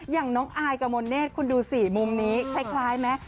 อย่างน้องอายกะมนเนธคุณดูสิมุมนี้คล้ายไหม